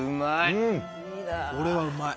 これはうまい。